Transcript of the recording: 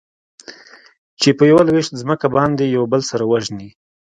چې په يوه لوېشت ځمکه باندې يو بل سره وژني.